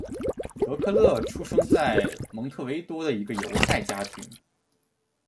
德克勒出生在蒙特维多的一个犹太家庭。